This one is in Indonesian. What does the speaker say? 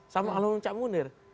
sama alun cak munir